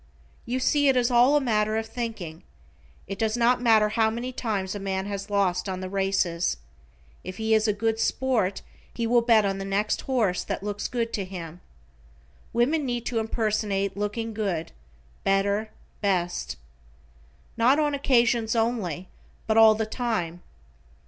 You see, it is all a matter of thinking. It does not matter how many times a man has lost on the races, if he is a good sport he will bet on the next horse that looks good to him. Women need to impersonate looking good, better, best. Not on occasions only, but all the time.